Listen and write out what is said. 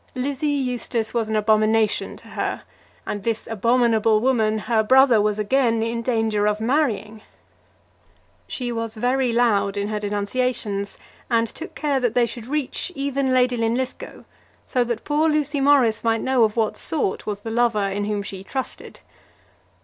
Lizzie Eustace was an abomination to her, and this abominable woman her brother was again in danger of marrying! She was very loud in her denunciations, and took care that they should reach even Lady Linlithgow, so that poor Lucy Morris might know of what sort was the lover in whom she trusted.